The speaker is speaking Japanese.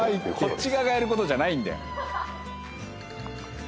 こっち側がやることじゃないんだよ。